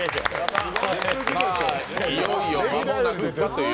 いよいよ間もなくかという。